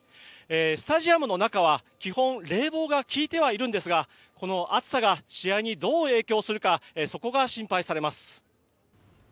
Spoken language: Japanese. スタジアムの中は基本冷房が利いてはいるんですがこの暑さが試合にどう影響するかそこが心配されます。